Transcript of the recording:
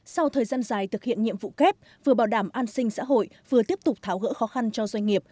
sau thời gian dài thực hiện nhiệm vụ kép vừa bảo đảm an sinh xã hội vừa tiếp tục tháo gỡ khó khăn cho doanh nghiệp